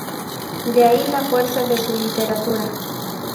De ahí la fuerza de su literatura.